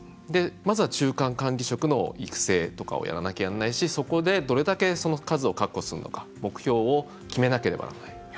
まずは、中間管理職の育成とかをやらなきゃなんないしそこで、どれだけその数を確保するのか目標を決めなければならない。